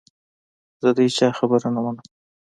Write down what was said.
زه د هیچا خبره نه منم .